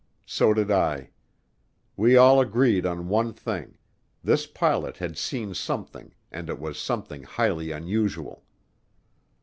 So did I. We all agreed on one thing this pilot had seen something and it was something highly unusual.